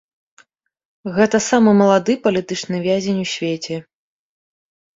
Гэта самы малады палітычны вязень у свеце.